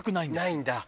ないんだ。